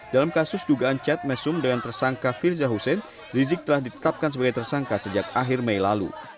dalam kasus dugaan chat mesum dengan tersangka firza hussein rizik telah ditetapkan sebagai tersangka sejak akhir mei lalu